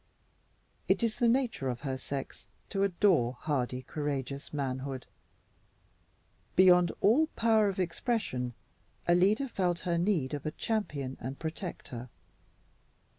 It is the nature of her sex to adore hardy, courageous manhood. Beyond all power of expression, Alida felt her need of a champion and protector.